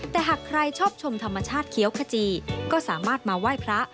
แต่หากใครชอบชมธรรมชาติเขียวขจีก็สามารถมาไหว้พระ